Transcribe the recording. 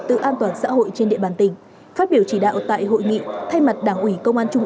tự an toàn xã hội trên địa bàn tỉnh phát biểu chỉ đạo tại hội nghị thay mặt đảng ủy công an trung